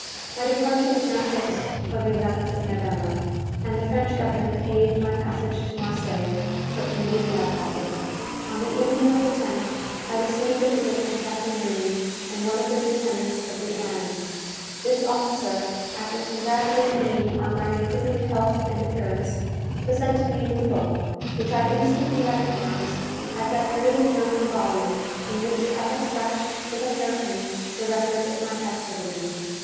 My departure was now fixed for the 11th of November, and the French government paid my passage to Marseilles, per Indian mail packet. On the evening of the 10th, I received a visit from Captain Rooney and one of the lieutenants of the "Ann." This officer, after congratulating me on my improved health and appearance, presented me with a book, which I instantly recognized as that very German volume in which I had scratched, with a hair pin, the records of my captivity.